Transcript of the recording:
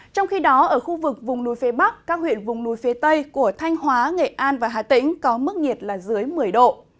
trong khi đó ở khu vực vùng núi phía bắc các huyện vùng núi phía tây của thanh hóa nghệ an và hà tĩnh có mức nhiệt là dưới một mươi độ